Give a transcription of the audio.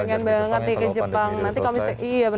pengen banget ya jalan jalan ke jepang ya ke jepang